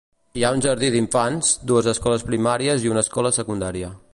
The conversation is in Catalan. Hi ha un jardí d'infants, dues escoles primàries i una escola secundària.